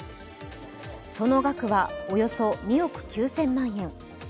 その額は、およそ２億９０００万円。